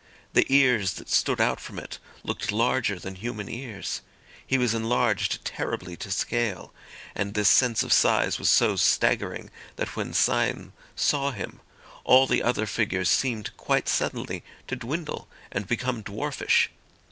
The ears that stood out from it looked larger than human ears. He was enlarged terribly to scale; and this sense of size was so staggering, that when Syme saw him all the other figures seemed quite suddenly to dwindle and become dwarfish.